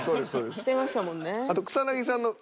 してましたもんね。